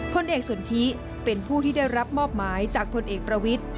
พลเอกสนทิเป็นผู้ที่ได้รับมอบหมายจากพลเอกประวิทธิ